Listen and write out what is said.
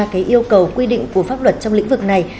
cái yêu cầu quy định của pháp luật trong lĩnh vực này